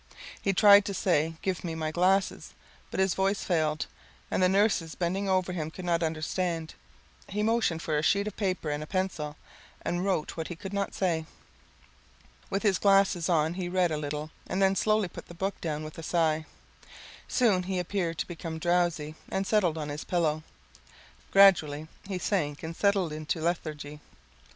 He tried to say, "Given me my glasses," but his voice failed, and the nurses bending over him could not understand. He motioned for a sheet of paper and a pencil, and wrote what he could not say. With his glasses on he read a little and then slowly put the book down with a sigh. Soon he appeared to become drowsy and settled on his pillow. Gradually he sank and settled into a lethargy.